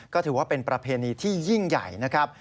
ก็ถือว่าเป็นประเพณีที่ยิ่งใหญ่นะครับ